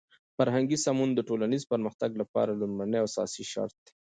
فرهنګي سمون د ټولنیز پرمختګ لپاره لومړنی او اساسی شرط دی.